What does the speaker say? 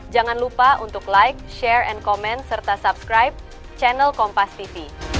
jangan lupa untuk like share and comment serta subscribe channel kompastv